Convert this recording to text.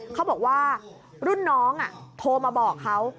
เขาบอกว่ารุ่นน้องโทรมาบอกเขา